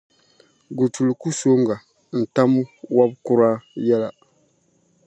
Gutulu ku sooŋa, n-tam wɔbi’ kura yɛla.